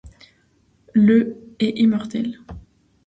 Le est immortel.